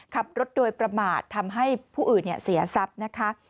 ขับรถโดยประมาททำให้ผู้อื่นเสียทรัพย์นะคะ